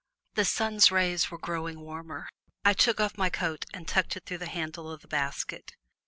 The sun's rays were growing warmer. I took off my coat and tucked it through the handle of the basket.